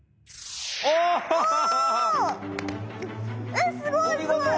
えっすごいすごい！